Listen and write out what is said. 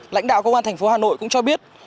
lãnh đạo công an thành phố hà nội cũng cho biết